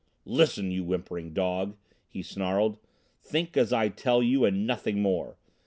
"Listen! you whimpering dog," he snarled. "Think as I tell you and nothing more!